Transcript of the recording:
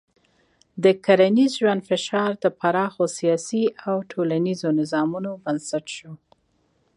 د کرنیز ژوند فشار پراخو سیاسي او ټولنیزو نظامونو بنسټ شو.